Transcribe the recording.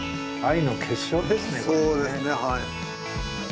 そうですねはい。